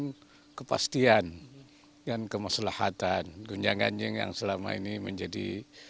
berikan kepastian dan kemeselahatan gunjang ganjeng yang selama ini menjadi